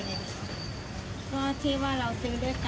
เงินของเราคือมันไม่ถูกหลังวังที่ลูก